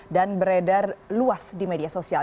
dan beredar luas di media sosial